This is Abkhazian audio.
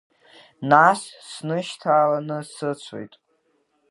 Нас снышьҭаланы сыцәоит.